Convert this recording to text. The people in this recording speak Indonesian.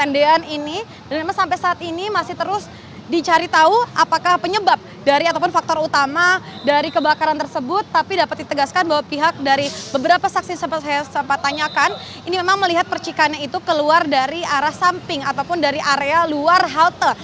dan ini memang sampai saat ini masih terus dicari tahu apakah penyebab dari ataupun faktor utama dari kebakaran tersebut tapi dapat ditegaskan bahwa pihak dari beberapa saksi yang saya sempat tanyakan ini memang melihat percikannya itu keluar dari arah samping ataupun dari area luar halte